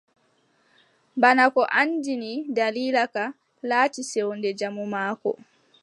Bana ko anndini, daliila ka, laati sewnde jamu maako.